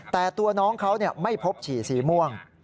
แต่ตัวน้องเขาไม่พบฉี่สีม่วง